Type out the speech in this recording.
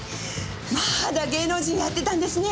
まだ芸能人やってたんですね。